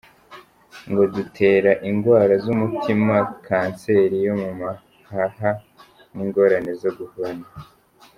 Ngo dutera ingwara z'umutima, "cancer" yo mu mahaha n'ingorane zo guhema.